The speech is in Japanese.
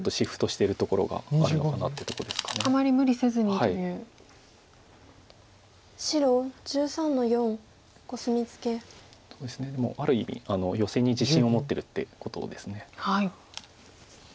もうある意味ヨセに自信を持ってるってことです。